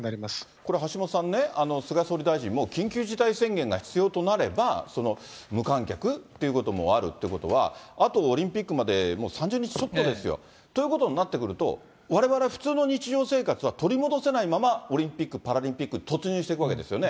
これ、橋下さんね、菅総理大臣が緊急事態宣言が必要になれば、無観客っていうこともあるんだということは、あとオリンピックまでもう３０日ちょっとですよ。ということになってくると、われわれ、普通の日常生活は取り戻せないまま、オリンピック・パラリンピックに突入していくわけですよね。